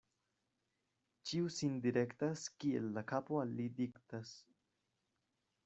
Ĉiu sin direktas, kiel la kapo al li diktas.